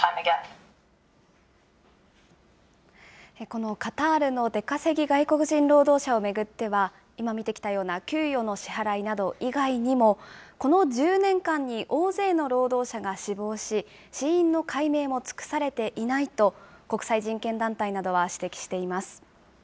このカタールの出稼ぎ外国人労働者を巡っては、今見てきたような給与の支払いなど以外にも、この１０年間に大勢の労働者が死亡し、死因の解明も尽くされていないと、国際人権団体などは指摘しています。